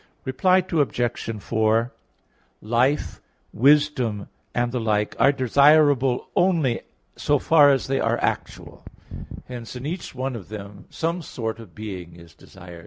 Reply Obj. 4: Life, wisdom, and the like, are desirable only so far as they are actual. Hence, in each one of them some sort of being is desired.